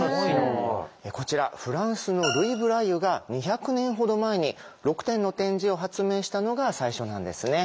こちらフランスのルイ・ブライユが２００年ほど前に６点の点字を発明したのが最初なんですね。